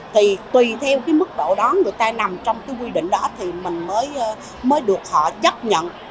thì tùy theo cái mức độ đó người ta nằm trong cái quy định đó thì mình mới được họ chấp nhận